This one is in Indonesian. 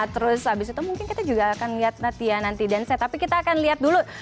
terus habis itu mungkin kita juga akan lihat natia nanti dan saya tapi kita akan lihat dulu